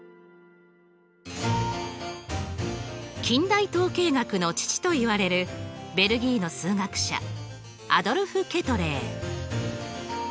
近代統計学の父といわれるベルギーの数学者アドルフ・ケトレー。